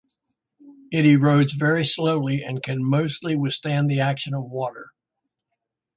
It erodes very slowly and can mostly withstand the action of water.